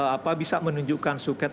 apa bisa menunjukkan suket